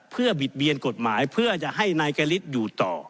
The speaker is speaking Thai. เพื่อบิดเบียนกฎหมายเพื่อจะให้นายกริศอยู่ต่อ